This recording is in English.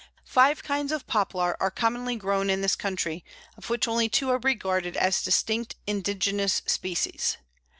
Five kinds of Poplar are commonly grown in this country, of which only two are regarded as distinct indigenous species.